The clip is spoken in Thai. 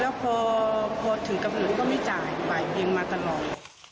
แล้วพอถึงกำเนินก็ไม่จ่ายไปเป็นแม่งมาตลอด